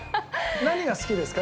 何が好きですか？